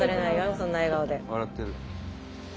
そんな笑顔で。